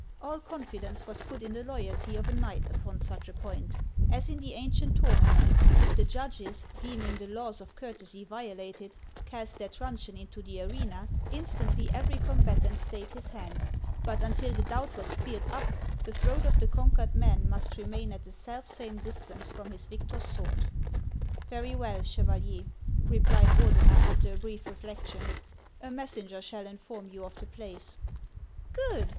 All confidence was put in the loyalty of a knight upon such a point ; as in the ancient tournament, if the judges, deeming the laws of courtesy violated, cast their truncheon into the arena, instantly every combatant stayed his hand; but until the doubt was cleared up, the throat of the conquered man must remain at the selfsame distance from his victor's sword. " Very well, Chevalier," replied Ordener, after a brief reflection ;" a messenger shall inform you of the place." " Good